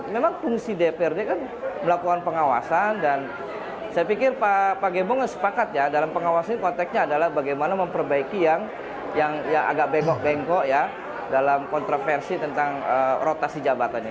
memang fungsi dprd kan melakukan pengawasan dan saya pikir pak gembong sepakat ya dalam pengawasan konteksnya adalah bagaimana memperbaiki yang agak bengkok bengkok ya dalam kontroversi tentang rotasi jabatannya